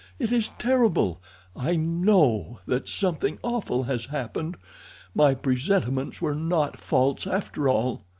It is terrible! I know that something awful has happened. My presentiments were not false, after all."